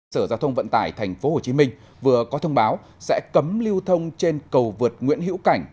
sở giao thông vận tải tp hcm vừa có thông báo sẽ cấm lưu thông trên cầu vượt nguyễn hữu cảnh